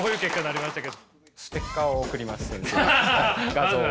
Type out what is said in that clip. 画像を。